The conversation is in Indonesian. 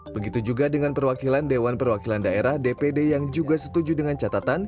begitu juga dengan perwakilan dewan perwakilan daerah dpd yang juga setuju dengan catatan